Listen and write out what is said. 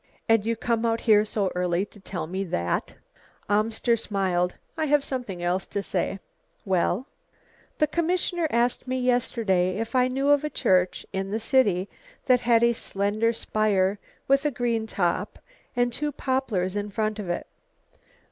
"And you come out here so early to tell me that?" Amster smiled. "I have something else to say." "Well?" "The commissioner asked me yesterday if I knew of a church in the city that had a slender spire with a green top and two poplars in front of it."